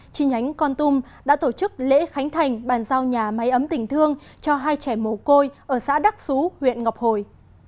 chi nhánh con tum đã tổ chức lễ khánh thành bàn giao nhà máy ấm tình thương cho hai trẻ mồ côi ở xã đắc xú huyện ngọc hồi